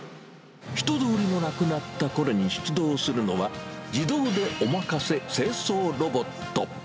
人通りのなくなったころに出動するのは、自動でお任せ清掃ロボット。